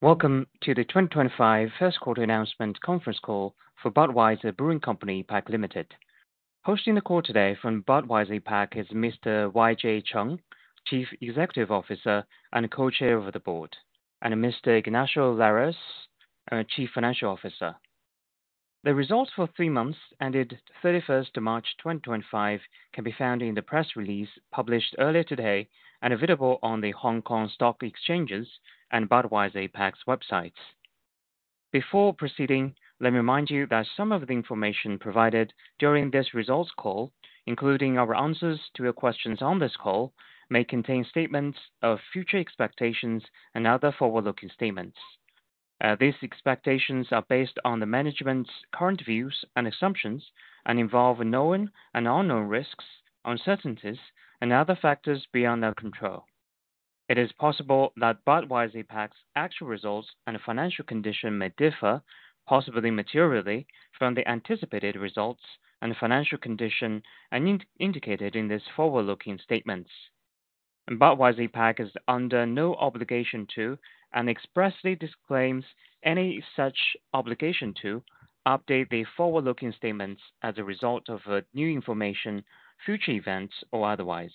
Welcome to the 2025 First Quarter Announcement Conference Call for Budweiser Brewing Company APAC Ltd. Hosting the call today from Budweiser APAC is Mr. Y. J. Cheng, Chief Executive Officer and Co-Chair of the Board, and Mr. Ignacio Lares, Chief Financial Officer. The results for three months ended 31 March 2025 can be found in the press release published earlier today and available on the Hong Kong Stock Exchange and Budweiser APAC's websites. Before proceeding, let me remind you that some of the information provided during this results call, including our answers to your questions on this call, may contain statements of future expectations and other forward-looking statements. These expectations are based on the management's current views and assumptions and involve known and unknown risks, uncertainties, and other factors beyond our control. It is possible that Budweiser APAC's actual results and financial condition may differ, possibly materially, from the anticipated results and financial condition indicated in these forward-looking statements. Budweiser APAC is under no obligation to, and expressly disclaims any such obligation to, update the forward-looking statements as a result of new information, future events, or otherwise.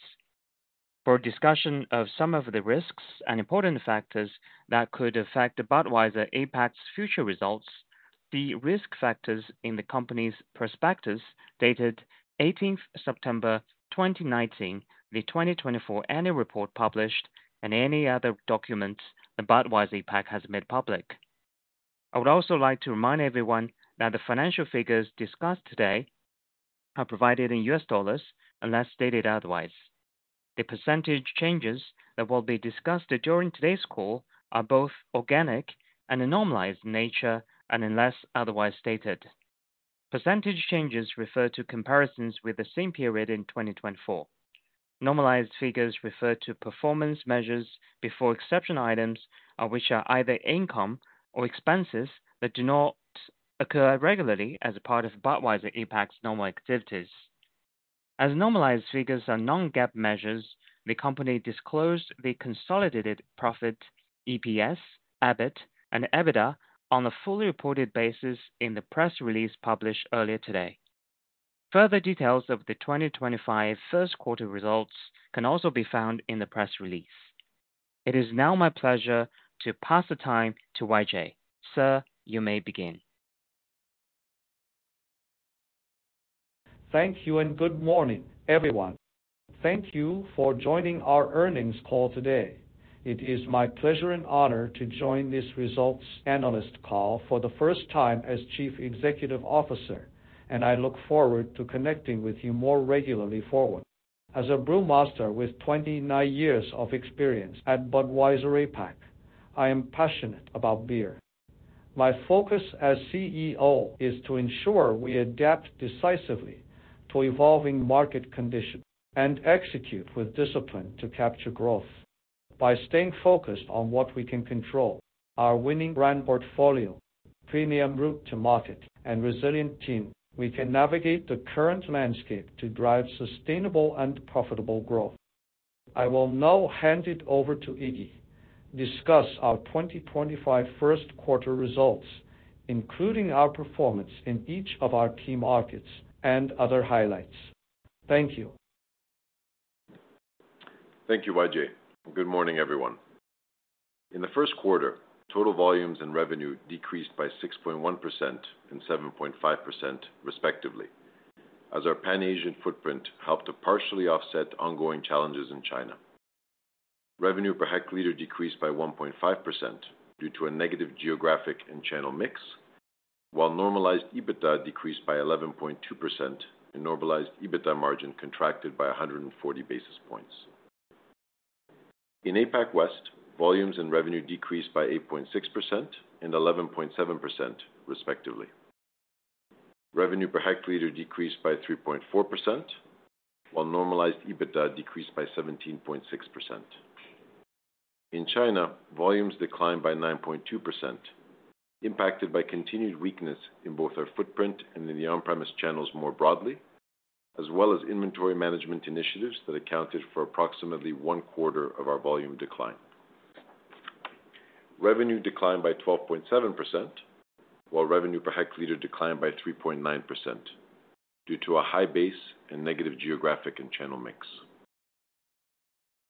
For discussion of some of the risks and important factors that could affect Budweiser APAC's future results, the risk factors in the company's prospectus dated 18 September 2019, the 2024 Annual Report published, and any other documents the Budweiser APAC has made public. I would also like to remind everyone that the financial figures discussed today are provided in U.S. dollars unless stated otherwise. The percentage changes that will be discussed during today's call are both organic and normalized in nature and unless otherwise stated. Percentage changes refer to comparisons with the same period in 2024. Normalized figures refer to performance measures before exception items, which are either income or expenses that do not occur regularly as a part of Budweiser APAC's normal activities. As normalized figures are non-GAAP measures, the company disclosed the consolidated profit (EPS), EBIT, and EBITDA on a fully reported basis in the press release published earlier today. Further details of the 2025 First Quarter results can also be found in the press release. It is now my pleasure to pass the time to Y. J., sir. You may begin. Thank you and good morning, everyone. Thank you for joining our earnings call today. It is my pleasure and honor to join this results analyst call for the first time as Chief Executive Officer, and I look forward to connecting with you more regularly forward. As a brewmaster with 29 years of experience at Budweiser APAC, I am passionate about beer. My focus as CEO is to ensure we adapt decisively to evolving market conditions and execute with discipline to capture growth. By staying focused on what we can control, our winning brand portfolio, premium route to market, and resilient team, we can navigate the current landscape to drive sustainable and profitable growth. I will now hand it over to Ignacio to discuss our 2025 First Quarter results, including our performance in each of our key markets and other highlights. Thank you. Thank you, Y. J. Good morning, everyone. In the first quarter, total volumes and revenue decreased by 6.1% and 7.5%, respectively, as our pan-Asian footprint helped to partially offset ongoing challenges in China. Revenue per hl decreased by 1.5% due to a negative geographic and channel mix, while normalized EBITDA decreased by 11.2% and normalized EBITDA margin contracted by 140 basis points. In APAC West, volumes and revenue decreased by 8.6% and 11.7%, respectively. Revenue per hl decreased by 3.4%, while normalized EBITDA decreased by 17.6%. In China, volumes declined by 9.2%, impacted by continued weakness in both our footprint and in the on-premise channels more broadly, as well as inventory management initiatives that accounted for approximately one quarter of our volume decline. Revenue declined by 12.7%, while revenue per hl declined by 3.9% due to a high base and negative geographic and channel mix.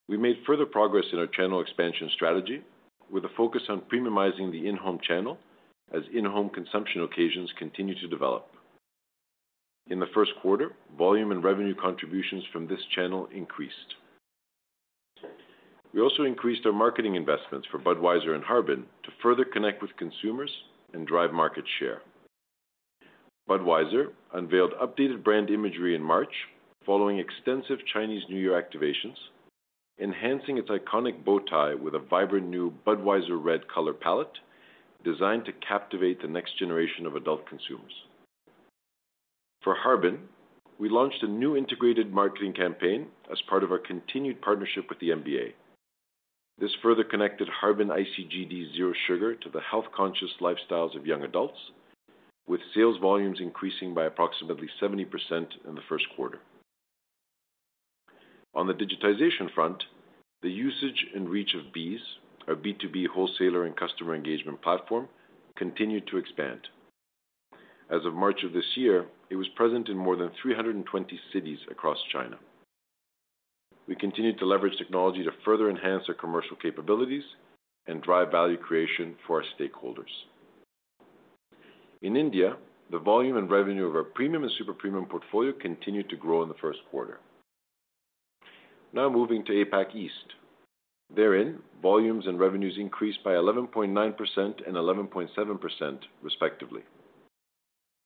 We made further progress in our channel expansion strategy with a focus on premiumizing the in-home channel as in-home consumption occasions continue to develop. In the first quarter, volume and revenue contributions from this channel increased. We also increased our marketing investments for Budweiser and Harbin to further connect with consumers and drive market share. Budweiser unveiled updated brand imagery in March following extensive Chinese New Year activations, enhancing its iconic bow tie with a vibrant new Budweiser red color palette designed to captivate the next generation of adult consumers. For Harbin, we launched a new integrated marketing campaign as part of our continued partnership with the NBA. This further connected Harbin Ice Zero Sugar to the health-conscious lifestyles of young adults, with sales volumes increasing by approximately 70% in the first quarter. On the digitization front, the usage and reach of BEES, our B2B wholesaler and customer engagement platform, continued to expand. As of March of this year, it was present in more than 320 cities across China. We continue to leverage technology to further enhance our commercial capabilities and drive value creation for our stakeholders. In India, the volume and revenue of our premium and super premium portfolio continued to grow in the first quarter. Now moving to APAC East. Therein, volumes and revenues increased by 11.9% and 11.7%, respectively.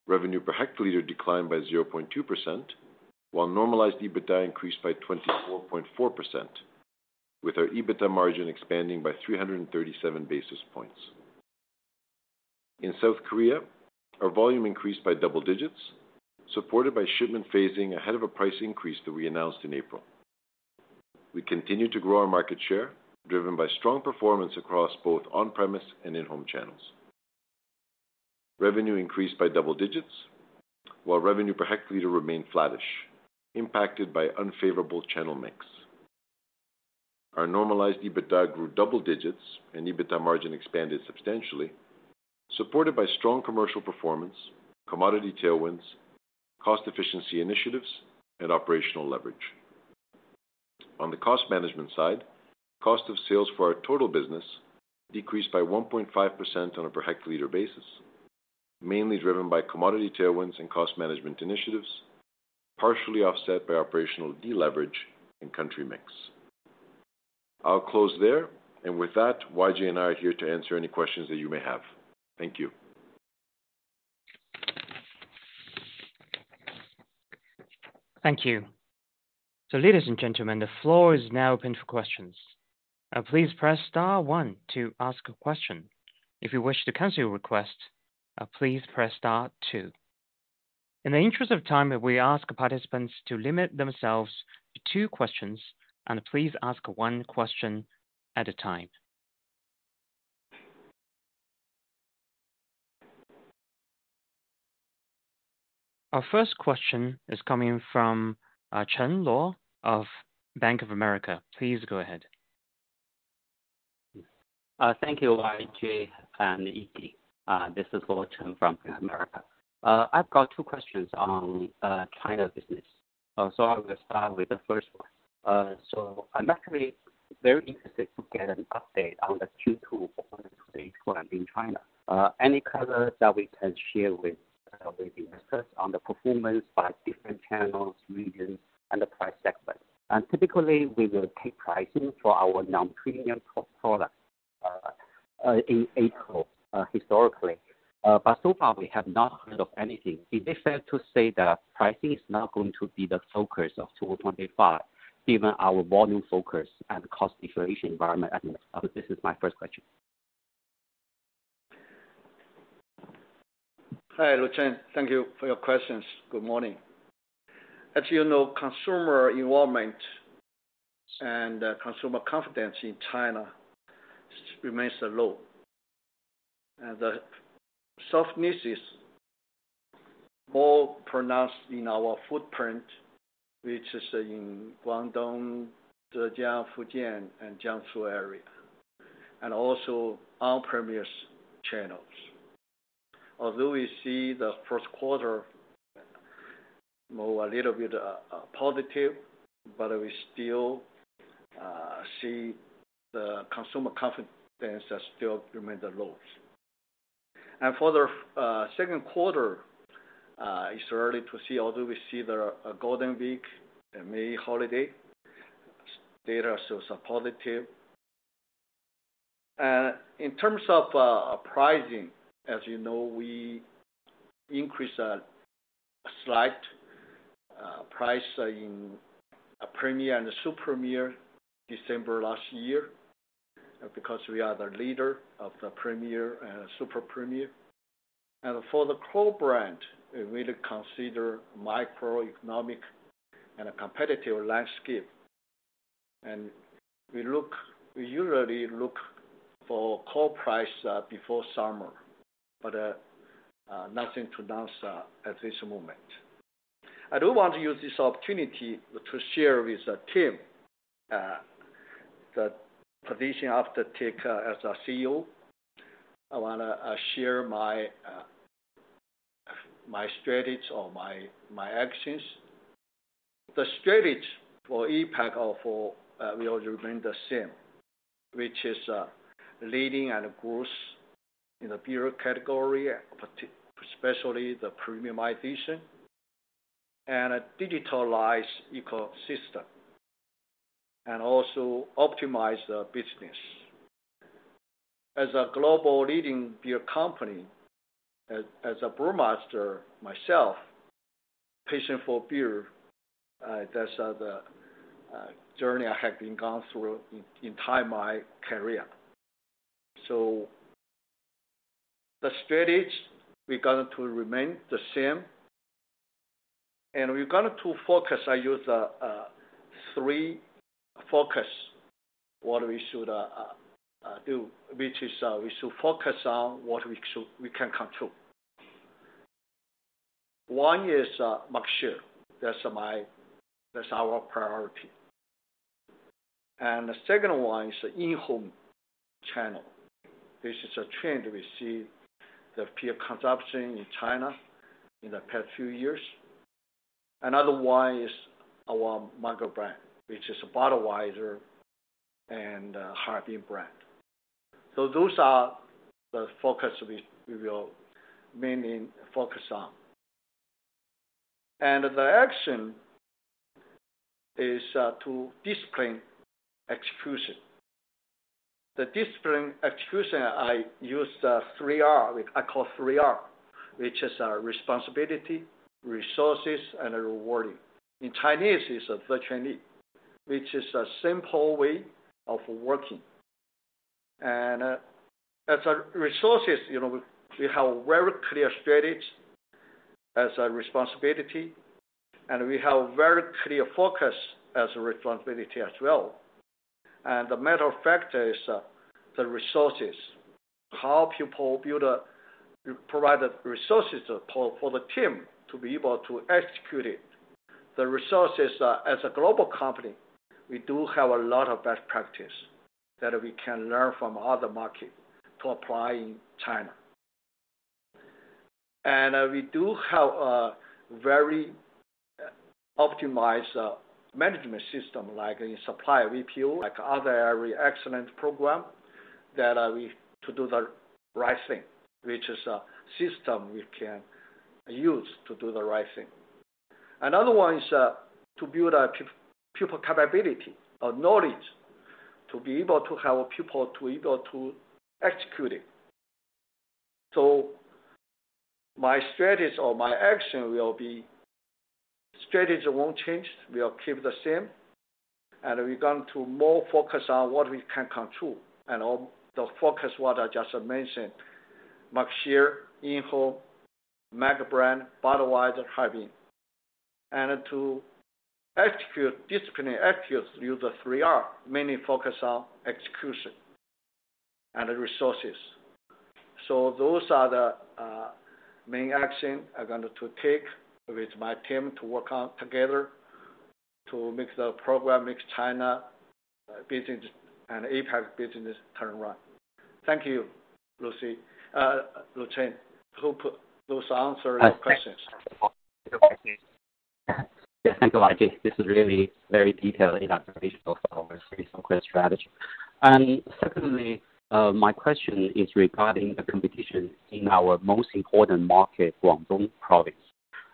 Revenue per hl declined by 0.2%, while normalized EBITDA increased by 24.4%, with our EBITDA margin expanding by 337 basis points. In South Korea, our volume increased by double digits, supported by shipment phasing ahead of a price increase that we announced in April. We continue to grow our market share, driven by strong performance across both on-premise and in-home channels. Revenue increased by double digits, while revenue per hl remained flattish, impacted by unfavorable channel mix. Our normalized EBITDA grew double digits and EBITDA margin expanded substantially, supported by strong commercial performance, commodity tailwinds, cost efficiency initiatives, and operational leverage. On the cost management side, the cost of sales for our total business decreased by 1.5% on a per hl basis, mainly driven by commodity tailwinds and cost management initiatives, partially offset by operational deleverage and country mix. I'll close there, and with that, Y. J. and I are here to answer any questions that you may have. Thank you. Thank you. So, ladies and gentlemen, the floor is now open for questions. Please press star one to ask a question. If you wish to cancel your request, please press star two. In the interest of time, we ask participants to limit themselves to two questions and please ask one question at a time. Our first question is coming from Chen Luo of Bank of America. Please go ahead. Thank you, Y. J. and Ignacio. This is Luo Chen from Bank of America. I've got two questions on China business. So I will start with the first one. So I'm actually very interested to get an update on the Q2 performance in China. Any color that we can share with the investors on the performance by different channels, regions, and the price segment? Typically, we will take pricing for our non-premium products in April historically, but so far we have not heard of anything. Is it fair to say that pricing is not going to be the focus of 2025, given our volume focus and the cost deviation environment? This is my first question. Hi, Luo Chen. Thank you for your questions. Good morning. As you know, consumer involvement and consumer confidence in China remains low. The softness is more pronounced in our footprint, which is in Guangdong, Zhujiang, Fujian, and Jiangsu area, and also on-premise channels. Although we see the first quarter a little bit positive, we still see the consumer confidence still remains low. And for the second quarter, it's early to see, although we see the Golden Week and May holiday data are still so positive. In terms of pricing, as you know, we increased a slight price in a premium and a super premium December last year because we are the leader of the premium and super premium. And for the core brand, we consider macroeconomic and a competitive landscape. And we usually look for core price before summer, but nothing to announce at this moment. I do want to use this opportunity to share with Team the position I've taken as a CEO. I want to share my strategies or my actions. The strategies for APAC will remain the same, which is leading and growth in the beer category, especially the premiumization and digitalized ecosystem, and also optimize the business. As a global leading beer company, as a brewmaster myself, passion for beer, that's the journey I have been going through in my career. So the strategies are going to remain the same, and we're going to focus on three focuses, what we should do, which is we should focus on what we can control. One is market share. That's our priority, and the second one is in-home channel. This is a trend we see in beer consumption in China in the past few years. Another one is our core brand, which is Budweiser and Harbin brand, so those are the focuses we will mainly focus on, and the action is to disciplined execution. The disciplined execution, I use three Rs, I call three Rs, which are responsibility, resources, and rewarding. In Chinese, it's virtually, which is a simple way of working, and as for resources, we have a very clear strategy as for responsibility, and we have a very clear focus as for responsibility as well, and as a matter of fact, the resources [are how] people provide the resources for the team to be able to execute it. The resources as a global company, we do have a lot of best practices that we can learn from other markets to apply in China, and we do have a very optimized management system like in supply VPO. Like other excellent programs that we do the right thing, which is a system we can use to do the right thing. Another one is to build people capability or knowledge to be able to have people to be able to execute it. So my strategies or my action will be strategies won't change. We'll keep the same, and we're going to more focus on what we can control. And the focus what I just mentioned: market share, in-home, micro brand, Budweiser, Harbin. And to execute disciplined actions through the three Rs, mainly focus on execution and resources. So those are the main actions I'm going to take with my team to work on together to make the program make China business and APAC business turn around. Thank you, Luo Chen. Hope those answered the questions. Thank you, Y. J. This is really very detailed in observation of our strategy, and secondly, my question is regarding the competition in our most important market, Guangdong Province.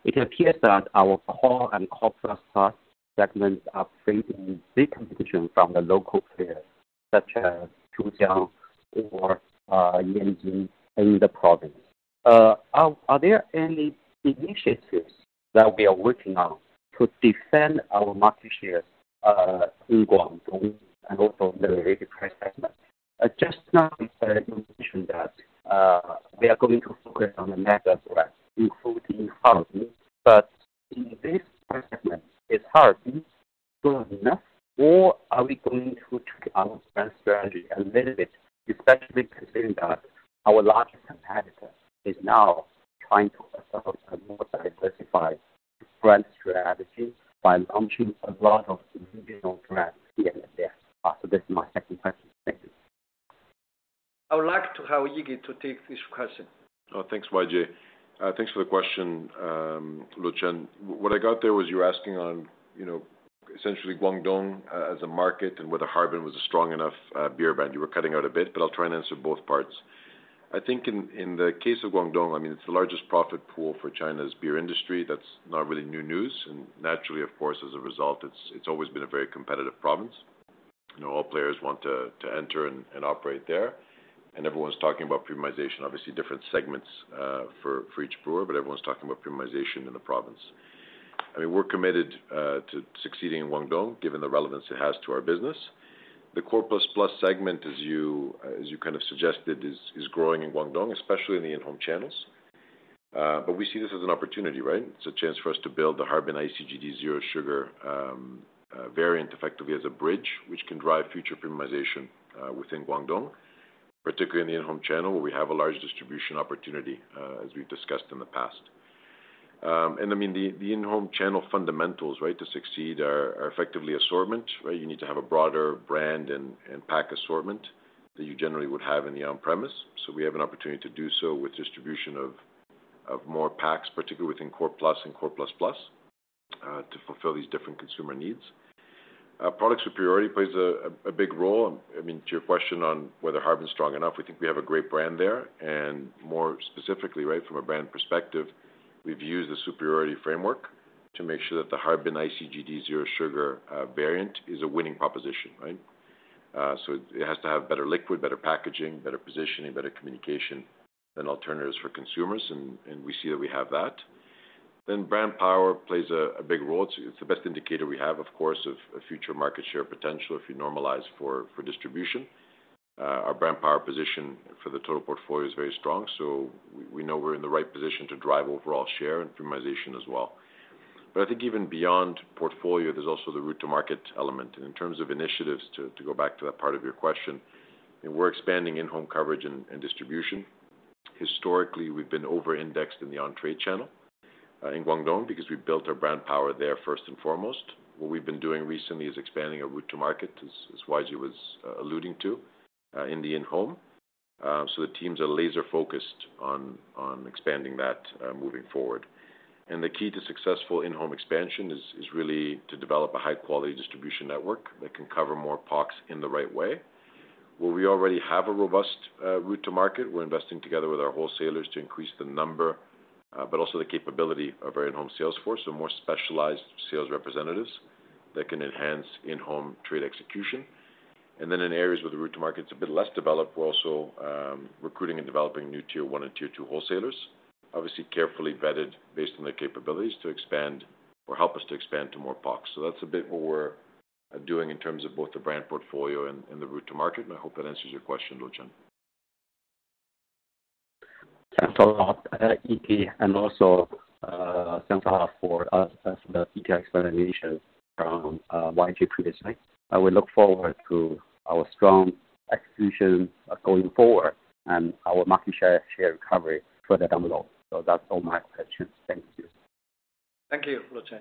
It appears that our core and core-plus segments are facing big competition from the local players such as Zhujiang or Yanjing in the province. Are there any initiatives that we are working on to defend our market shares in Guangdong and also the related price segments? Just now, we said that we are going to focus on the core threats, including Harbin, but in this price segment, is Harbin strong enough, or are we going to tweak our brand strategy a little bit, especially considering that our largest competitor is now trying to establish a more diversified brand strategy by launching a lot of regional brands here and there? So this is my second question. Thank you. I would like to have Ignacio to take this question. Oh, thanks, Y. J. Thanks for the question, Luo Chen. What I got there was you asking on essentially Guangdong as a market and whether Harbin was a strong enough beer brand. You were cutting out a bit, but I'll try and answer both parts. I think in the case of Guangdong, I mean, it's the largest profit pool for China's beer industry. That's not really new news, and naturally, of course, as a result, it's always been a very competitive province. All players want to enter and operate there, and everyone's talking about premiumization, obviously different segments for each brewer, but everyone's talking about premiumization in the province. I mean, we're committed to succeeding in Guangdong given the relevance it has to our business. The Core Plus Plus segment, as you kind of suggested, is growing in Guangdong, especially in the in-home channels. But we see this as an opportunity, right? It's a chance for us to build Harbin Ice Zero Sugar variant effectively as a bridge, which can drive future premiumization within Guangdong, particularly in the in-home channel where we have a large distribution opportunity, as we've discussed in the past. And I mean, the in-home channel fundamentals, right, to succeed are effectively assortment, right? You need to have a broader brand and pack assortment that you generally would have in the on-premise. So we have an opportunity to do so with distribution of more packs, particularly within core plus and core plus plus to fulfill these different consumer needs. Product superiority plays a big role. I mean, to your question on whether Harbin's strong enough, we think we have a great brand there. And more specifically, right, from a brand perspective, we've used the superiority framework to make sure that Harbin Ice Zero Sugar variant is a winning proposition, right? So it has to have better liquid, better packaging, better positioning, better communication than alternatives for consumers. And we see that we have that. Then brand power plays a big role. It's the best indicator we have, of course, of future market share potential if you normalize for distribution. Our brand power position for the total portfolio is very strong. So we know we're in the right position to drive overall share and premiumization as well. But I think even beyond portfolio, there's also the route to market element. And in terms of initiatives, to go back to that part of your question, we're expanding in-home coverage and distribution. Historically, we've been over-indexed in the on-trade channel in Guangdong because we built our brand power there first and foremost. What we've been doing recently is expanding our route to market, as Y. J. was alluding to, in the in-home. So the teams are laser-focused on expanding that moving forward. And the key to successful in-home expansion is really to develop a high-quality distribution network that can cover more POCs in the right way. Where we already have a robust route to market, we're investing together with our wholesalers to increase the number, but also the capability of our in-home sales force, so more specialized sales representatives that can enhance in-home trade execution. Then in areas where the route to market is a bit less developed, we're also recruiting and developing new tier one and tier two wholesalers, obviously carefully vetted based on their capabilities to expand or help us to expand to more POCs. That's a bit what we're doing in terms of both the brand portfolio and the route to market. I hope that answers your question, Luo Chen. Thanks a lot, Ignacio. And also thanks a lot for the detailed explanation from Y. J. previously. We look forward to our strong execution going forward and our market share recovery further down the road. So that's all my questions. Thank you. Thank you, Luo Chen.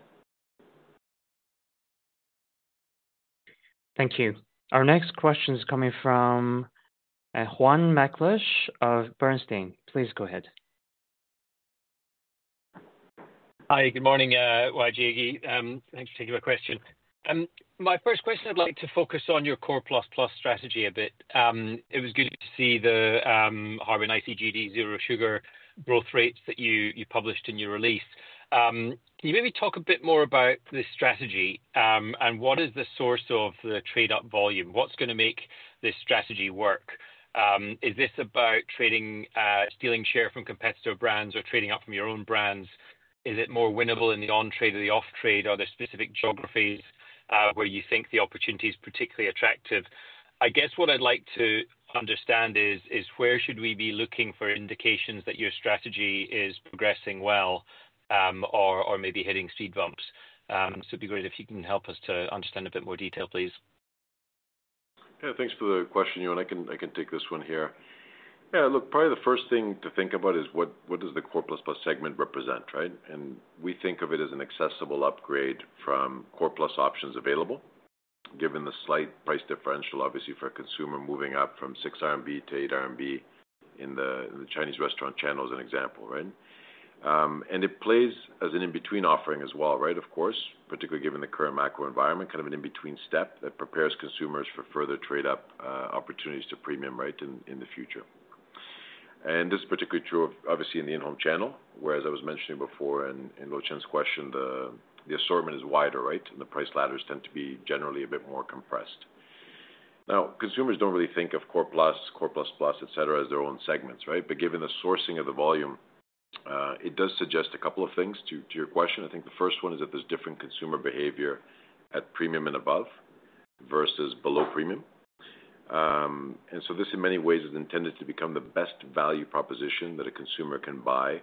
Thank you. Our next question is coming from Euan McLeish of Bernstein. Please go ahead. Hi, good morning, Y. J. Ignacio. Thanks for taking my question. My first question, I'd like to focus on your Core Plus Plus strategy a bit. It was good to see Harbin Ice Zero Sugar growth rates that you published in your release. Can you maybe talk a bit more about this strategy and what is the source of the trade-up volume? What's going to make this strategy work? Is this about stealing share from competitive brands or trading up from your own brands? Is it more winnable in the on-trade or the off-trade? Are there specific geographies where you think the opportunity is particularly attractive? I guess what I'd like to understand is where should we be looking for indications that your strategy is progressing well or maybe hitting speed bumps? So it'd be great if you can help us to understand a bit more detail, please. Yeah, thanks for the question, Euan. I can take this one here. Yeah, look, probably the first thing to think about is what does the core plus plus segment represent, right? And we think of it as an accessible upgrade from core plus options available, given the slight price differential, obviously, for a consumer moving up from 6 RMB to 8 RMB in the Chinese restaurant channel as an example, right? And it plays as an in-between offering as well, right, of course, particularly given the current macro environment, kind of an in-between step that prepares consumers for further trade-up opportunities to premium, right, in the future. And this is particularly true, obviously, in the in-home channel, whereas I was mentioning before in Luo Chen's question, the assortment is wider, right, and the price ladders tend to be generally a bit more compressed. Now, consumers don't really think of Core Plus, Core Plus Plus, etc., as their own segments, right?, but given the sourcing of the volume, it does suggest a couple of things to your question. I think the first one is that there's different consumer behavior at Premium and above versus below Premium, and so this, in many ways, is intended to become the best value proposition that a consumer can buy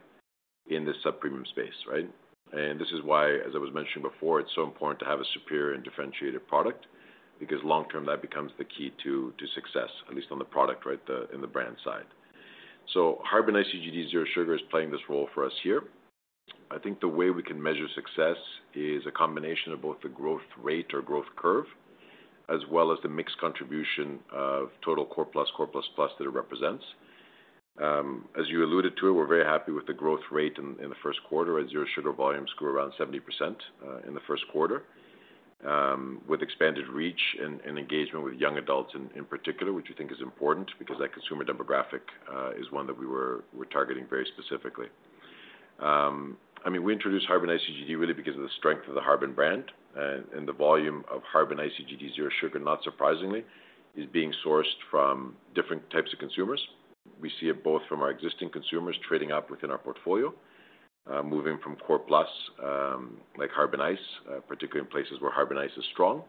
in the sub-Premium space, right? And this is why, as I was mentioning before, it's so important to have a superior and differentiated product because long-term, that becomes the key to success, at least on the product, right, in the brand side, Harbin Ice Zero Sugar is playing this role for us here. I think the way we can measure success is a combination of both the growth rate or growth curve, as well as the mix contribution of total Core Plus, Core Plus Plus that it represents. As you alluded to it, we're very happy with the growth rate in the first quarter. Our Zero Sugar volumes grew around 70% in the first quarter, with expanded reach and engagement with young adults in particular, which we think is important because that consumer demographic is one that we were targeting very specifically. I mean, we introduced Harbin Ice really because of the strength of the Harbin brand, and the volume Harbin Ice Zero Sugar, not surprisingly, is being sourced from different types of consumers. We see it both from our existing consumers trading up within our portfolio, moving from Core Plus like Harbin Ice, particularly in places where Harbin Ice is strong,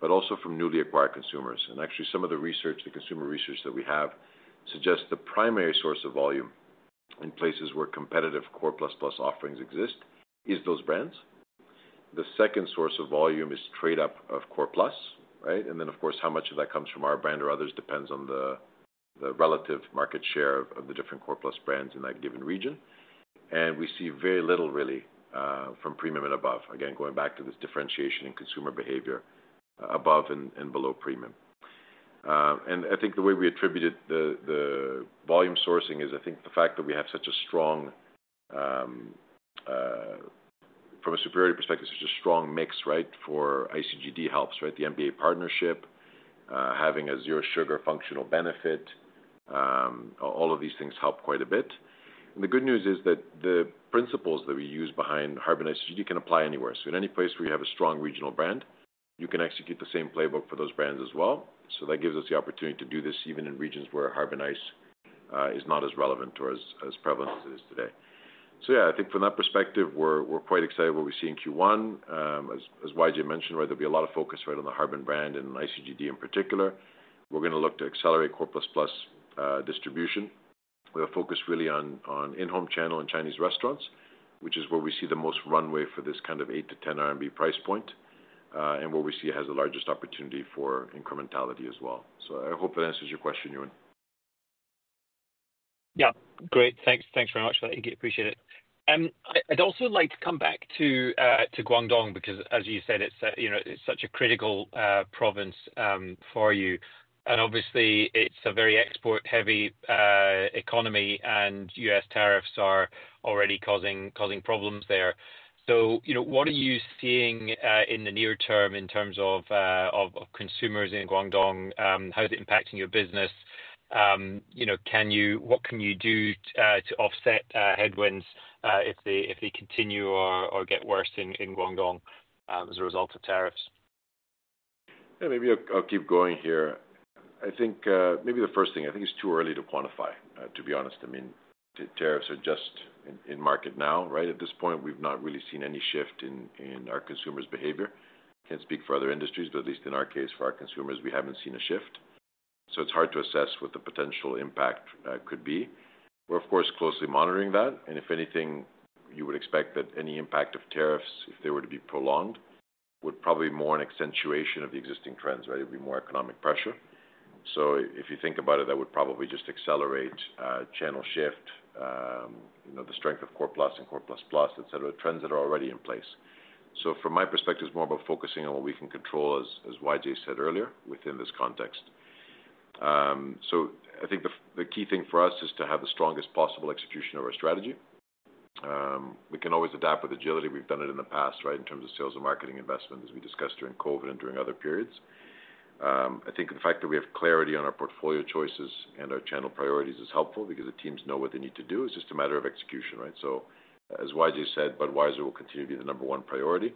but also from newly acquired consumers, and actually, some of the consumer research that we have suggests the primary source of volume in places where competitive Core Plus Plus offerings exist is those brands. The second source of volume is trade-up of Core Plus, right? And then, of course, how much of that comes from our brand or others depends on the relative market share of the different Core Plus brands in that given region. And we see very little, really, from Premium and above. Again, going back to this differentiation in consumer behavior above and below Premium. And I think the way we attributed the volume surging is, I think, the fact that we have such a strong, from a superiority perspective, such a strong mix, right, for ICGD helps, right? The NBA partnership, having a Zero Sugar functional benefit, all of these things help quite a bit. And the good news is that the principles that we use behind Harbin Ice can apply anywhere. So in any place where you have a strong regional brand, you can execute the same playbook for those brands as well. So that gives us the opportunity to do this even in regions where Harbin Ice is not as relevant or as prevalent as it is today. So yeah, I think from that perspective, we're quite excited about what we see in Q1. As Y. J. mentioned, right, there'll be a lot of focus, right, on the Harbin brand and ICGD in particular. We're going to look to accelerate core plus plus distribution with a focus really on in-home channel and Chinese restaurants, which is where we see the most runway for this kind of eight to 10 RMB price point and where we see it has the largest opportunity for incrementality as well. So I hope that answers your question, Euan. Yeah, great. Thanks very much for that, Ignacio. Appreciate it. I'd also like to come back to Guangdong because, as you said, it's such a critical province for you, and obviously, it's a very export-heavy economy, and U.S. tariffs are already causing problems there, so what are you seeing in the near term in terms of consumers in Guangdong? How is it impacting your business? What can you do to offset headwinds if they continue or get worse in Guangdong as a result of tariffs? Yeah, maybe I'll keep going here. I think maybe the first thing, I think it's too early to quantify, to be honest. I mean, tariffs are just in market now, right? At this point, we've not really seen any shift in our consumers' behavior. Can't speak for other industries, but at least in our case, for our consumers, we haven't seen a shift. So it's hard to assess what the potential impact could be. We're, of course, closely monitoring that. And if anything, you would expect that any impact of tariffs, if they were to be prolonged, would probably be more an accentuation of the existing trends, right? It would be more economic pressure. So if you think about it, that would probably just accelerate channel shift, the strength of Core Plus and Core Plus Plus, etc., trends that are already in place. So from my perspective, it's more about focusing on what we can control, as Y. J. said earlier, within this context. So I think the key thing for us is to have the strongest possible execution of our strategy. We can always adapt with agility. We've done it in the past, right, in terms of sales and marketing investment, as we discussed during COVID and during other periods. I think the fact that we have clarity on our portfolio choices and our channel priorities is helpful because the teams know what they need to do. It's just a matter of execution, right? So as Y. J. said, Budweiser will continue to be the number one priority.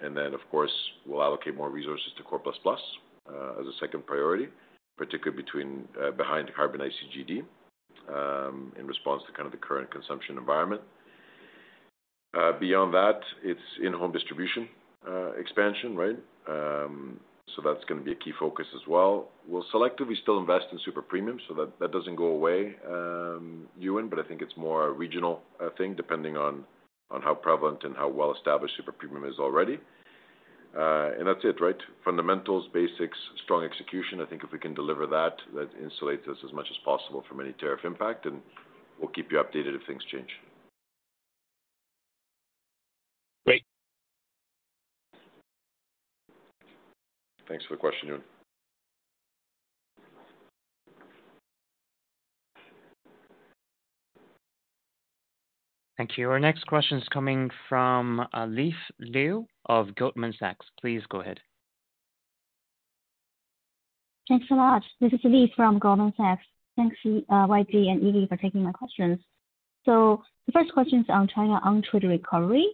And then, of course, we'll allocate more resources to core plus plus as a second priority, particularly behind Harbin Ice in response to kind of the current consumption environment. Beyond that, it's in-home distribution expansion, right? So that's going to be a key focus as well. We'll selectively still invest in super premium so that that doesn't go away, Euan, but I think it's more a regional thing depending on how prevalent and how well-established super premium is already. And that's it, right? Fundamentals, basics, strong execution. I think if we can deliver that, that insulates us as much as possible from any tariff impact, and we'll keep you updated if things change. Great. Thanks for the question, Euan. Thank you. Our next question is coming from Alice Liu of Goldman Sachs. Please go ahead. Thanks a lot. This is Alice from Goldman Sachs. Thanks, Y. J. and Ignacio for taking my questions. So the first question is on China on-trade recovery.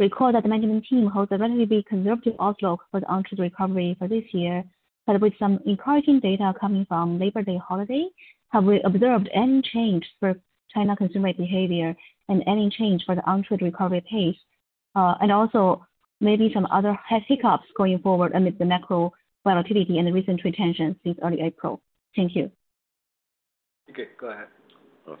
I recall that the management team holds a relatively conservative outlook for the on-trade recovery for this year, but with some encouraging data coming from Labor Day holiday, have we observed any change for China consumer behavior and any change for the on-trade recovery pace? And also, maybe some other hiccups going forward amid the macro volatility and the recent restrictions since early April? Thank you. Okay, go ahead.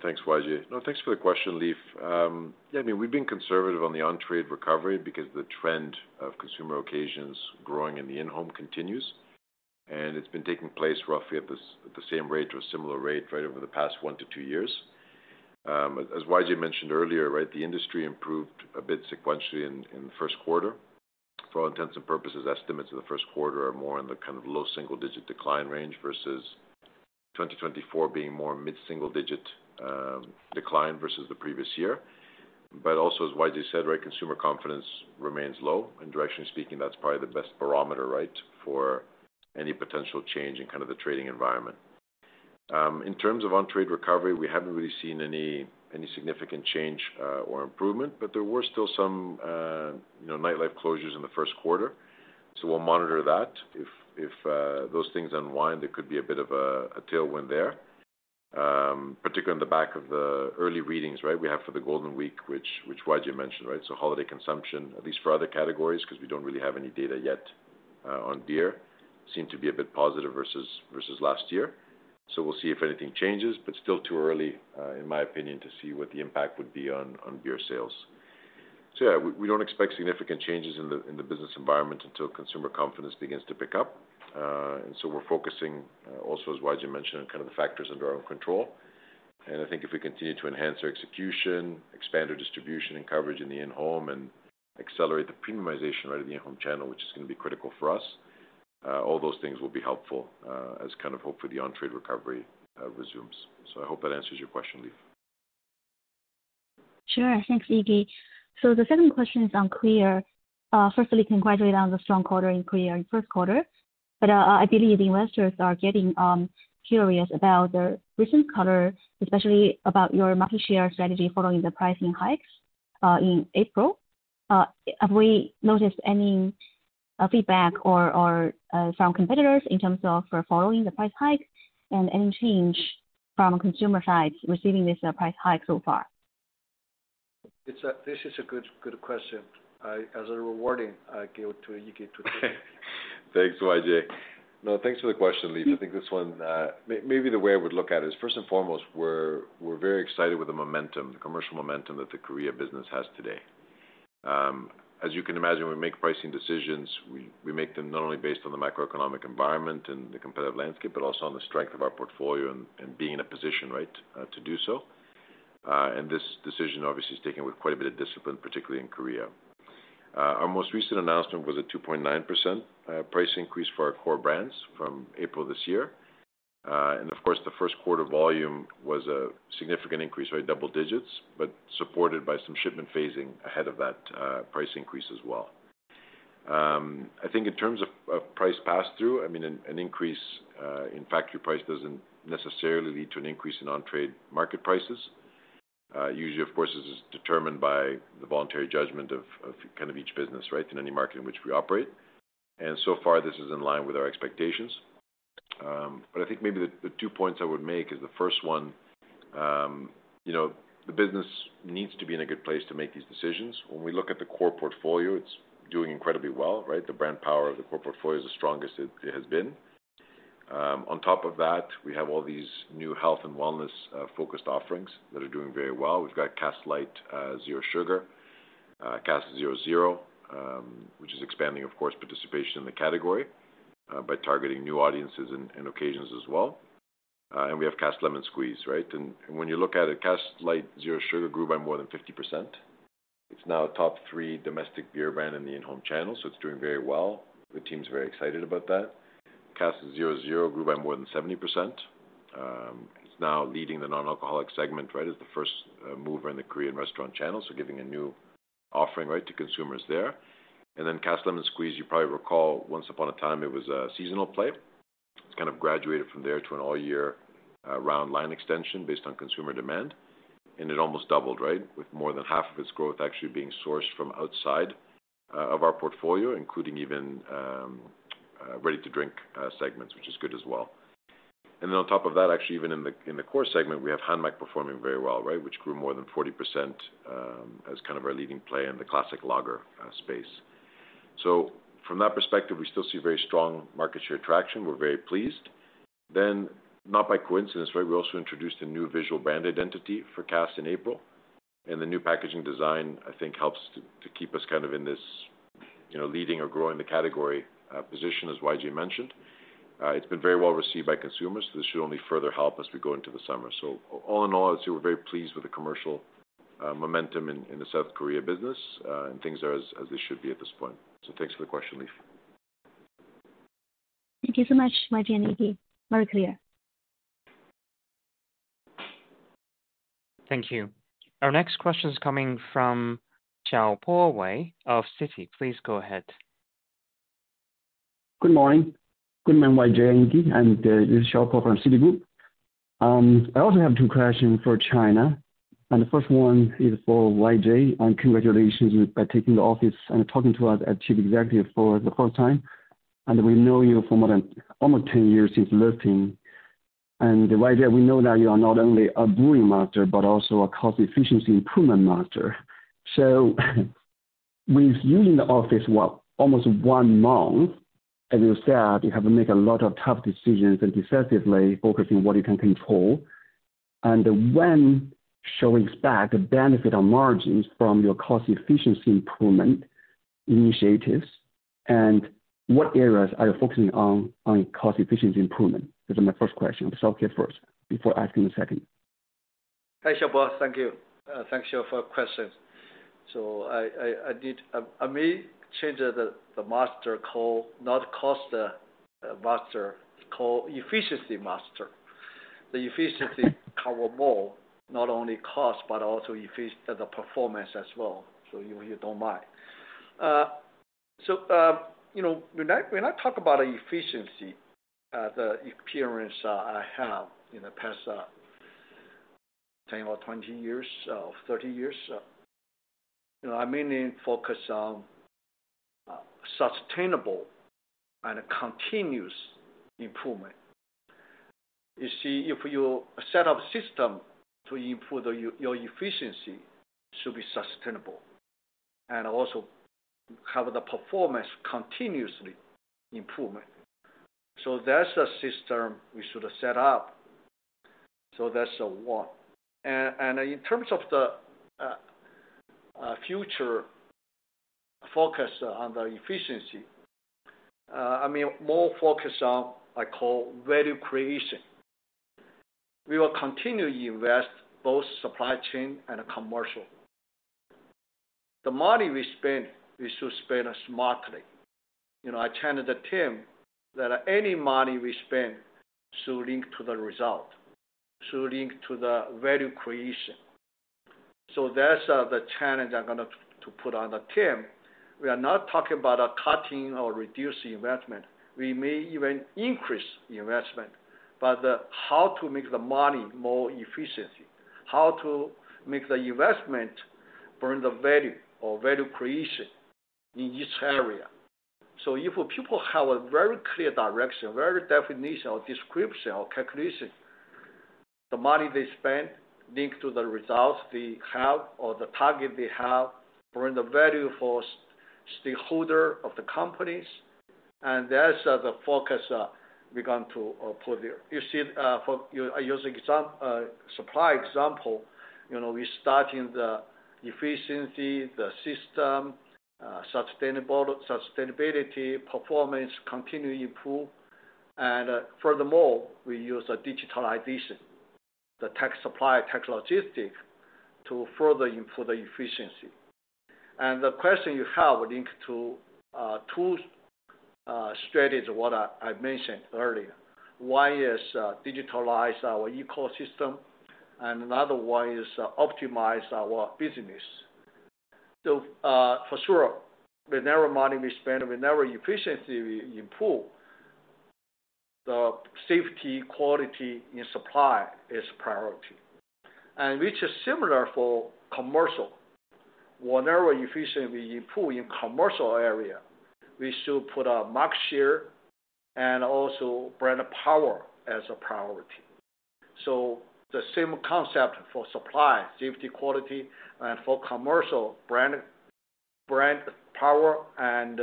Thanks, Y. J. No, thanks for the question, Alice. Yeah, I mean, we've been conservative on the on-trade recovery because the trend of consumer occasions growing in the in-home continues, and it's been taking place roughly at the same rate or similar rate right over the past one to two years. As Y. J. mentioned earlier, right, the industry improved a bit sequentially in the first quarter. For all intents and purposes, estimates of the first quarter are more in the kind of low single-digit decline range versus 2024 being more mid-single-digit decline versus the previous year. But also, as Y. J. said, right, consumer confidence remains low. And directionally speaking, that's probably the best barometer, right, for any potential change in kind of the trading environment. In terms of on-trade recovery, we haven't really seen any significant change or improvement, but there were still some nightlife closures in the first quarter. So we'll monitor that. If those things unwind, there could be a bit of a tailwind there, particularly on the back of the early readings, right, we have for the Golden Week, which Y. J. mentioned, right? So holiday consumption, at least for other categories, because we don't really have any data yet on beer, seemed to be a bit positive versus last year. So we'll see if anything changes, but still too early, in my opinion, to see what the impact would be on beer sales. So yeah, we don't expect significant changes in the business environment until consumer confidence begins to pick up. And so we're focusing, also as Y. J. mentioned, on kind of the factors under our own control. And I think if we continue to enhance our execution, expand our distribution and coverage in the in-home, and accelerate the premiumization rate of the in-home channel, which is going to be critical for us, all those things will be helpful as kind of hopefully the on-premise recovery resumes. So I hope that answers your question, Liu. Sure. Thanks, Ignacio. So the second question is on Korea. Hopefully, we can elaborate on the strong quarter in Korea in the first quarter. But I believe the investors are getting curious about the recent quarter, especially about your market share strategy following the pricing hikes in April. Have we noticed any feedback from competitors in terms of following the price hike and any change from consumer sides receiving this price hike so far? This is a good question. As a reward, I give it to Ignacio. Thanks, Y. J. No, thanks for the question, Liu. I think this one, maybe the way I would look at it is, first and foremost, we're very excited with the momentum, the commercial momentum that the Korea business has today. As you can imagine, when we make pricing decisions, we make them not only based on the macroeconomic environment and the competitive landscape, but also on the strength of our portfolio and being in a position, right, to do so. And this decision, obviously, is taken with quite a bit of discipline, particularly in Korea. Our most recent announcement was a 2.9% price increase for our core brands from April this year. And of course, the first quarter volume was a significant increase, right, double digits, but supported by some shipment phasing ahead of that price increase as well. I think in terms of price pass-through, I mean, an increase in factory price doesn't necessarily lead to an increase in on-trade market prices. Usually, of course, this is determined by the voluntary judgment of kind of each business, right, in any market in which we operate. And so far, this is in line with our expectations. But I think maybe the two points I would make is the first one, the business needs to be in a good place to make these decisions. When we look at the core portfolio, it's doing incredibly well, right? The brand power of the core portfolio is as strong as it has been. On top of that, we have all these new health and wellness-focused offerings that are doing very well. We've got Cass Light Zero Sugar, Cass Zero Zero, which is expanding, of course, participation in the category by targeting new audiences and occasions as well. And we have Cass Lemon Squeeze, right? And when you look at it, Cass Light Zero Sugar grew by more than 50%. It's now a top three domestic beer brand in the in-home channel, so it's doing very well. The team's very excited about that. Cass Zero Zero grew by more than 70%. It's now leading the non-alcoholic segment, right, as the first mover in the Korean restaurant channel, so giving a new offering, right, to consumers there. And then Cass Lemon Squeeze, you probably recall, once upon a time, it was a seasonal play. It's kind of graduated from there to an all-year round line extension based on consumer demand. And it almost doubled, right, with more than half of its growth actually being sourced from outside of our portfolio, including even ready-to-drink segments, which is good as well. And then on top of that, actually, even in the core segment, we have Hanmac performing very well, right, which grew more than 40% as kind of our leading play in the classic lager space. So from that perspective, we still see very strong market share traction. We're very pleased. Then, not by coincidence, right, we also introduced a new visual brand identity for Cass in April. And the new packaging design, I think, helps to keep us kind of in this leading or growing the category position, as Y. J. mentioned. It's been very well received by consumers, so this should only further help as we go into the summer. So all in all, I'd say we're very pleased with the commercial momentum in the South Korea business and things as they should be at this point. So thanks for the question, Liu. Thank you so much, Y. J. and Ignacio. Very clear. Thank you. Our next question is coming from Xiaopo Wei of Citi. Please go ahead. Good morning. Good morning, Y. J. and Ignacio. And this is Xiaopo from Citigroup. I also have two questions for China. And the first one is for Y. J. and congratulations on taking office and talking to us as chief executive for the first time. And we've known you for more than almost 10 years since listing. And Y. J., we know that you are not only a brewing master, but also a cost-efficiency improvement master. So you've been in office for almost one month. As you said, you have to make a lot of tough decisions and decisively focus on what you can control. And when shall we expect the benefit of margins from your cost-efficiency improvement initiatives? And what areas are you focusing on cost-efficiency improvement? This is my first question. I'll just ask it first before asking the second. Thanks, Xiaopo. Thank you. Thanks for your questions. So I may change the master call, not cost master call, efficiency master. The efficiency covers more, not only cost, but also the performance as well. So if you don't mind. So when I talk about efficiency, the experience I have in the past 10 or 20 years or 30 years, I mainly focus on sustainable and continuous improvement. You see, if you set up a system to improve your efficiency, it should be sustainable and also have the performance continuously improvement. So that's a system we should set up. So that's one. And in terms of the future focus on the efficiency, I mean, more focus on, I call, value creation. We will continue to invest both supply chain and commercial. The money we spend, we should spend smartly. I challenge the team that any money we spend should link to the result, should link to the value creation. So that's the challenge I'm going to put on the team. We are not talking about cutting or reducing investment. We may even increase investment, but how to make the money more efficiently? How to make the investment bring the value or value creation in each area? So if people have a very clear direction, very definition or description or calculation, the money they spend linked to the results they have or the target they have bring the value for stakeholders of the companies. And that's the focus we're going to put there. You see, I use a supply example. We're starting the efficiency, the system, sustainability, performance continually improve. And furthermore, we use digitalization, the tech supply, tech logistics to further improve the efficiency. The question you have linked to two strategies of what I mentioned earlier. One is digitalize our ecosystem, and another one is optimize our business. So for sure, with every money we spend, with every efficiency we improve, the safety, quality in supply is a priority. Which is similar for commercial. Whenever efficiency improves in commercial area, we should put our market share and also brand power as a priority. So the same concept for supply, safety, quality, and for commercial, brand power and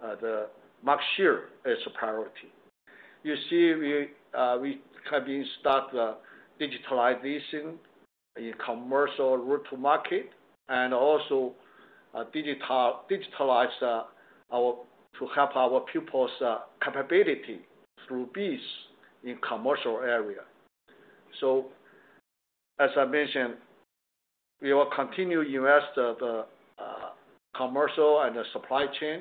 the market share is a priority. You see, we have been starting digitalization in commercial retail market and also digitalize to help our people's capability through bees in commercial area. So as I mentioned, we will continue to invest in the commercial and the supply chain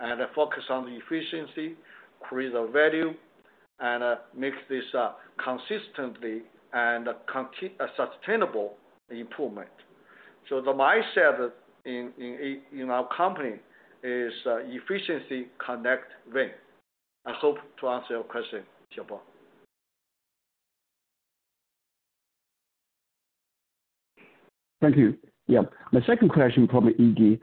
and focus on the efficiency, create the value, and make this consistently and sustainable improvement. So the mindset in our company is efficiency, connect, win. I hope to answer your question, Xiaopo. Thank you. Yeah. My second question from Ignacio.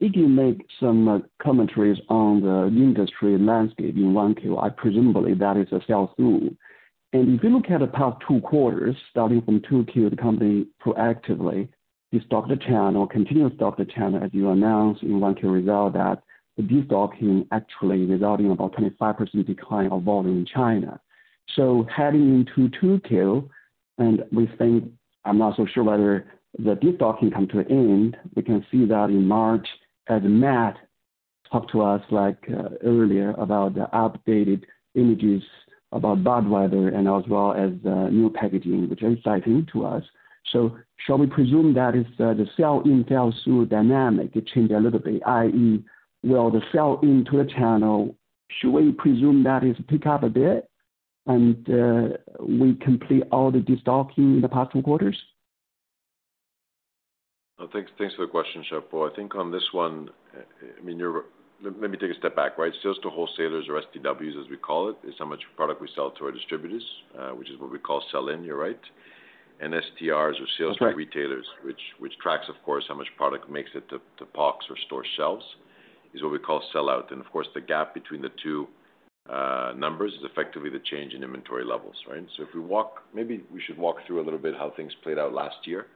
Ignacio made some comments on the new industry landscape in 1Q. Presumably, that is a sell-through. If you look at the past two quarters, starting from 2Q, the company proactively destocked the channel or continued to stock the channel as you announced in 1Q results that the destocking actually resulted in about 25% decline of volume in China. Heading into 2Q, we think. I'm not so sure whether the destocking comes to an end. We can see that in March as Matt talked to us earlier about the updated guidance about bad weather and as well as new packaging, which is exciting to us. So shall we presume that is the sell-in, sell-through dynamic changed a little bit, i.e., will the sell-in to the channel, should we presume that is picked up a bit and we complete all the destocking in the past two quarters? Thanks for the question, Xiaopo. I think on this one, I mean, let me take a step back, right? Sales to wholesalers or STWs, as we call it, is how much product we sell to our distributors, which is what we call sell-in, you're right. And STRs or sales to retailers, which tracks, of course, how much product makes it to POCs or store shelves, is what we call sell-out. And of course, the gap between the two numbers is effectively the change in inventory levels, right? So if we walk, maybe we should walk through a little bit how things played out last year,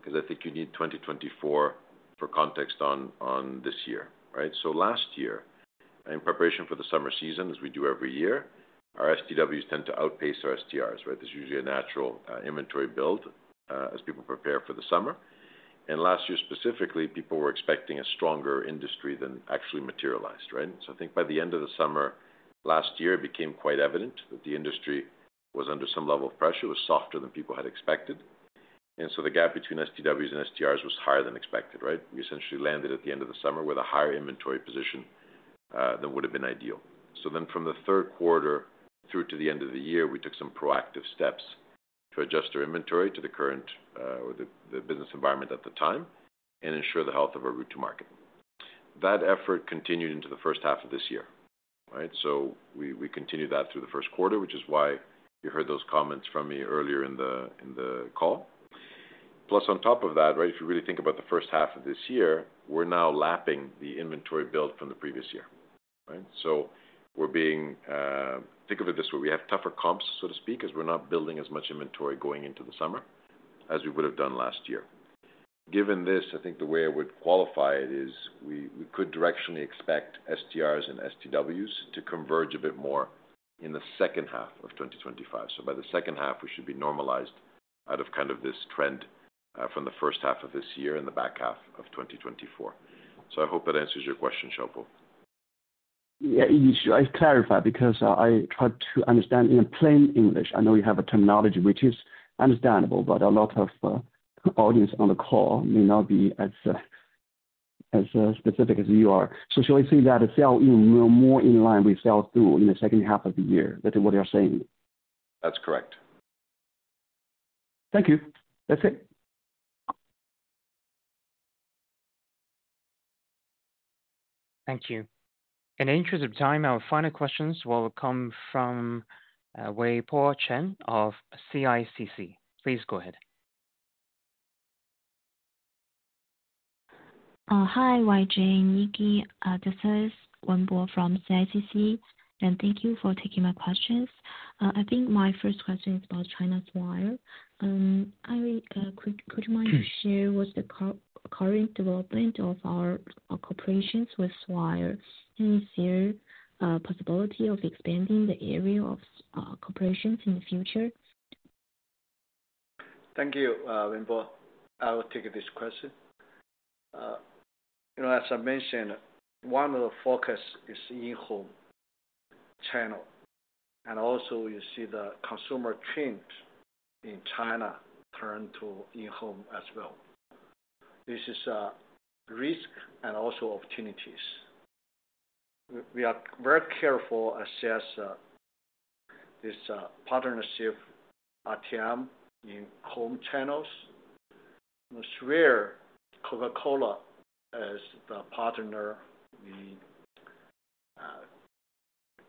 because I think you need 2024 for context on this year, right? So last year, in preparation for the summer season, as we do every year, our STWs tend to outpace our STRs, right? This is usually a natural inventory build as people prepare for the summer. And last year specifically, people were expecting a stronger industry than actually materialized, right? So I think by the end of the summer last year, it became quite evident that the industry was under some level of pressure, was softer than people had expected. And so the gap between STWs and STRs was higher than expected, right? We essentially landed at the end of the summer with a higher inventory position than would have been ideal. So then from the third quarter through to the end of the year, we took some proactive steps to adjust our inventory to the current or the business environment at the time and ensure the health of our route to market. That effort continued into the first half of this year, right? So we continued that through the first quarter, which is why you heard those comments from me earlier in the call. Plus, on top of that, right, if you really think about the first half of this year, we're now lapping the inventory build from the previous year, right? So we're being, think of it this way, we have tougher comps, so to speak, as we're not building as much inventory going into the summer as we would have done last year. Given this, I think the way I would qualify it is we could directionally expect STRs and STWs to converge a bit more in the second half of 2025. So by the second half, we should be normalized out of kind of this trend from the first half of this year and the back half of 2024. So I hope that answers your question, Xiaopo. Yeah, Ignacio, should I clarify because I tried to understand in plain English? I know you have a terminology, which is understandable, but a lot of the audience on the call may not be as specific as you are. So shall we say that sell-in will be more in line with sell-through in the second half of the year? That's what you're saying? That's correct. Thank you. That's it. Thank you. In the interest of time, our final questions will come from Chen, Wenbo of CICC. Please go ahead. Hi, Y. J. and Ignacio. This is Wenbo from CICC, and thank you for taking my questions. I think my first question is about China's Swire. Could you mind to share what's the current development of our cooperations with Swire and is there a possibility of expanding the area of cooperations in the future? Thank you, Wenbo. I will take this question. As I mentioned, one of the focuses is in-home channel. Also, you see the consumer trends in China turn to in-home as well. This is risk and also opportunities. We are very careful to assess this partnership at the moment in home channels. It's Swire Coca-Cola as the partner we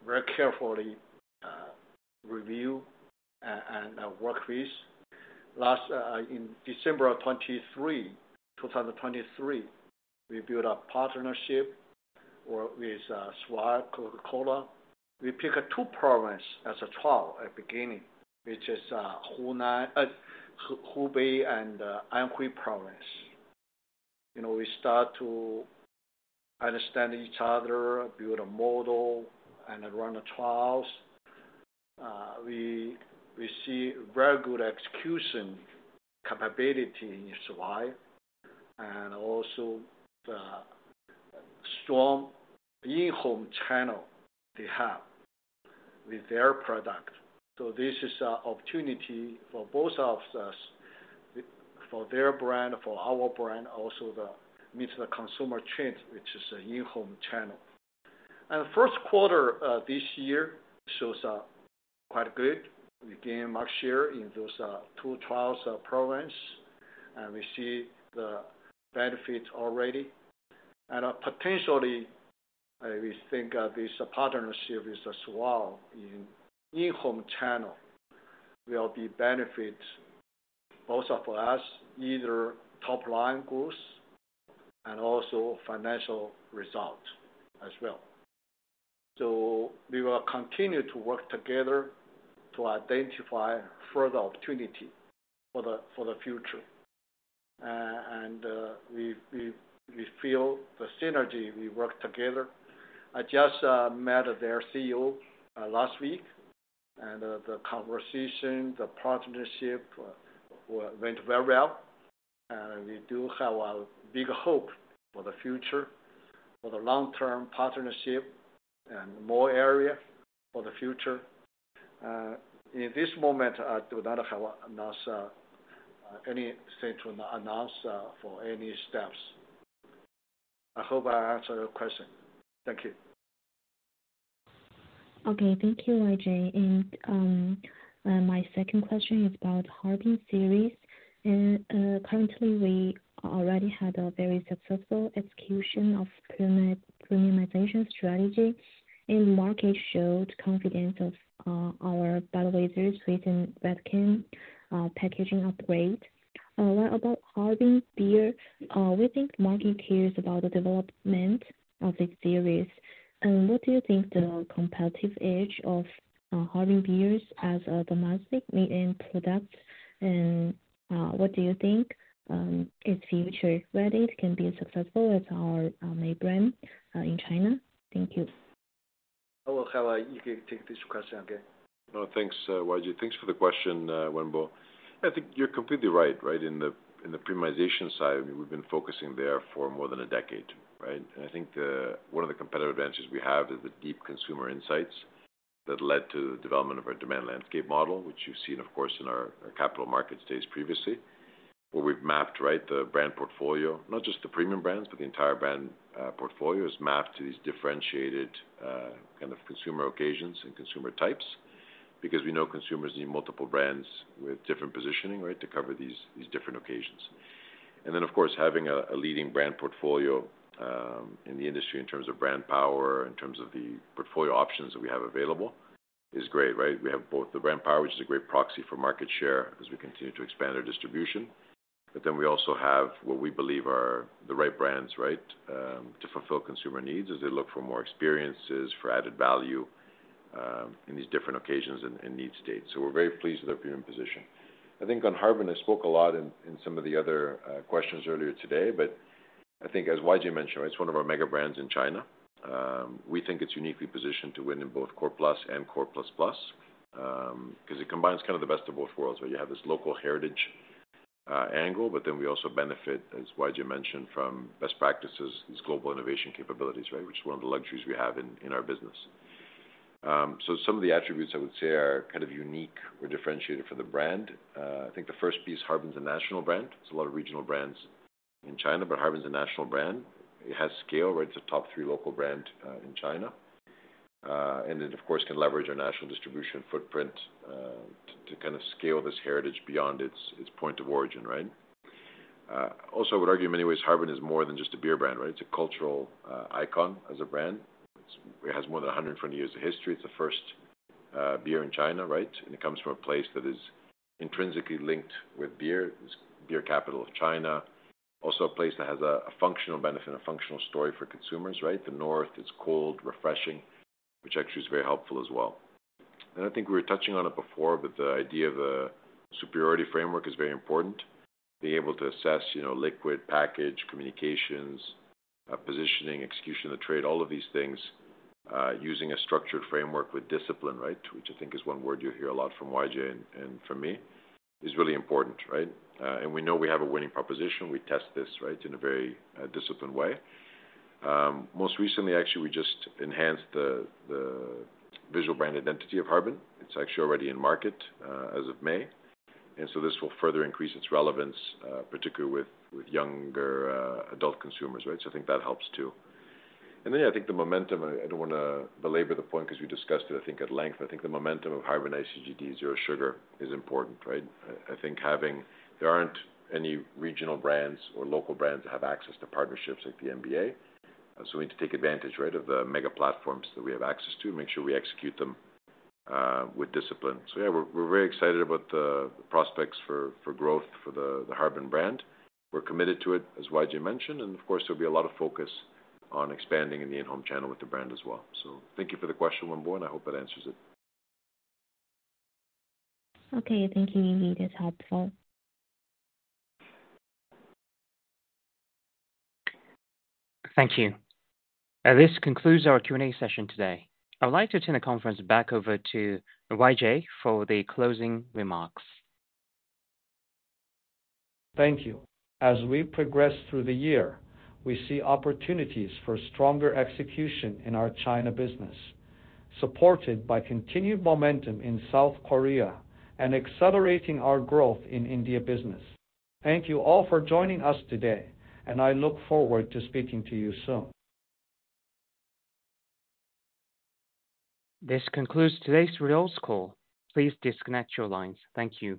very carefully review and work with. Last, in December 2023, we built a partnership with Swire Coca-Cola. We picked two provinces as a trial at the beginning, which is Hubei and Anhui province. We start to understand each other, build a model, and run the trials. We see very good execution capability in Swire and also the strong in-home channel they have with their product. So this is an opportunity for both of us, for their brand, for our brand, also to meet the consumer trends, which is in-home channel. The first quarter this year shows quite good. We gained market share in those two trial provinces, and we see the benefits already. Potentially, we think this partnership with Swire in in-home channel will be benefits both for us, either top-line growth and also financial results as well. We will continue to work together to identify further opportunity for the future. We feel the synergy we work together. I just met their CEO last week, and the conversation, the partnership went very well. We do have a big hope for the future, for the long-term partnership and more area for the future. In this moment, I do not have anything to announce for any steps. I hope I answered your question. Thank you. Okay. Thank you, Y. J. My second question is about Harbin Series. Currently, we already had a very successful execution of premiumization strategy, and the market showed confidence of our Budweiser sweetened red can packaging upgrade. What about Harbin beer? We think the market cares about the development of its series. And what do you think the competitive edge of Harbin beers as a domestic made-in product? And what do you think its future, whether it can be successful as our main brand in China? Thank you. I will have Ignacio take this question again. Thanks, Y. J. Thanks for the question, Wenbo. I think you're completely right, right? In the premiumization side, I mean, we've been focusing there for more than a decade, right? And I think one of the competitive advantages we have is the deep consumer insights that led to the development of our demand landscape model, which you've seen, of course, in our capital markets days previously, where we've mapped, right, the brand portfolio, not just the premium brands, but the entire brand portfolio is mapped to these differentiated kind of consumer occasions and consumer types because we know consumers need multiple brands with different positioning, right, to cover these different occasions. And then, of course, having a leading brand portfolio in the industry in terms of brand power, in terms of the portfolio options that we have available is great, right? We have both the brand power, which is a great proxy for market share as we continue to expand our distribution, but then we also have what we believe are the right brands, right, to fulfill consumer needs as they look for more experiences, for added value in these different occasions and needs states. So we're very pleased with our premium position. I think on Harbin, I spoke a lot in some of the other questions earlier today, but I think as Y. J. mentioned, it's one of our mega brands in China. We think it's uniquely positioned to win in both Core Plus and Core Plus Plus because it combines kind of the best of both worlds, right? You have this local heritage angle, but then we also benefit, as Y. J. mentioned, from best practices, these global innovation capabilities, right, which is one of the luxuries we have in our business. So some of the attributes I would say are kind of unique or differentiated for the brand. I think the first piece, Harbin's a national brand. There's a lot of regional brands in China, but Harbin's a national brand. It has scale, right? It's a top three local brand in China. And it, of course, can leverage our national distribution footprint to kind of scale this heritage beyond its point of origin, right? Also, I would argue in many ways, Harbin is more than just a beer brand, right? It's a cultural icon as a brand. It has more than 120 years of history. It's the first beer in China, right? And it comes from a place that is intrinsically linked with beer. It's beer capital of China. Also, a place that has a functional benefit and a functional story for consumers, right? The north, it's cold, refreshing, which actually is very helpful as well, and I think we were touching on it before, but the idea of a superiority framework is very important. Being able to assess liquid package, communications, positioning, execution of the trade, all of these things using a structured framework with discipline, right? Which I think is one word you'll hear a lot from Y. J. and from me, is really important, right, and we know we have a winning proposition. We test this, right, in a very disciplined way. Most recently, actually, we just enhanced the visual brand identity of Harbin. It's actually already in market as of May, and so this will further increase its relevance, particularly with younger adult consumers, right, so I think that helps too. And then, yeah, I think the momentum. I don't want to belabor the point because we discussed it, I think, at length. I think the momentum Harbin Ice Zero Sugar is important, right? I think having there aren't any regional brands or local brands that have access to partnerships like the NBA. So we need to take advantage, right, of the mega platforms that we have access to and make sure we execute them with discipline. So, yeah, we're very excited about the prospects for growth for the Harbin brand. We're committed to it, as Y. J. mentioned. And, of course, there'll be a lot of focus on expanding in the in-home channel with the brand as well. So thank you for the question, Wenbo, and I hope that answers it. Okay. Thank you, Ignacio. That's helpful. Thank you. This concludes our Q&A session today. I would like to turn the conference back over to Y. J. for the closing remarks. Thank you. As we progress through the year, we see opportunities for stronger execution in our China business, supported by continued momentum in South Korea and accelerating our growth in India business. Thank you all for joining us today, and I look forward to speaking to you soon. This concludes today's rehearsal call. Please disconnect your lines. Thank you.